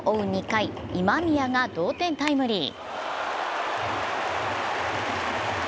２回今宮が同点タイムリー。